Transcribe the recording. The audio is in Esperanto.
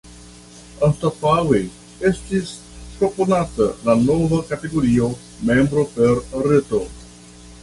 Anstataŭe estis proponata la nova kategorio “Membro per Reto”.